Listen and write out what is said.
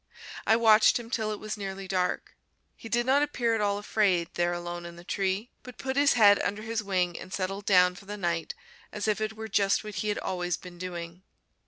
I watched him till it was nearly dark. He did not appear at all afraid there alone in the tree, but put his head under his wing and settled down for the night as if it were just what he had always been doing.